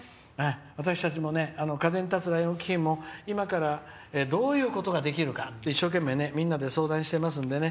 私たちも風に立つライオン基金も今からどういうことができるか一生懸命、みんなで相談していますのでね。